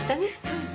うん。